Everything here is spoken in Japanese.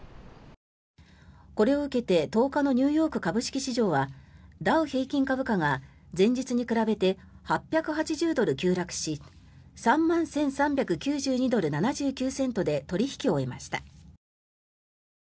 これを受けて１０日のニューヨーク株式市場はダウ平均株価が前日に比べて８８０ドル急落し３万１３９２ドル７９セントで取引を終えました。